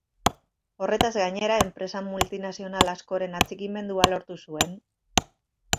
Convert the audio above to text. Horretaz gainera, enpresa multinazional askoren atxikimendua lortu zuen.